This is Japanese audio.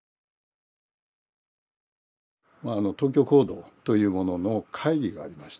東京行動というものの会議がありまして。